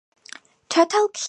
ჩათალ ჰუიუქი